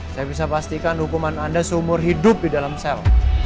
saya bisa pastikan hukuman anda seumur hidup di dalam sel